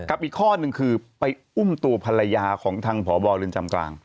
อีกข้อหนึ่งคือไปอุ้มตัวภรรยาของทางพบเรือนจำกลาง